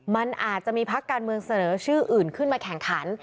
มันอาจจะมีพักการเมืองเสนอชื่ออื่นขึ้นมาแข่งขัน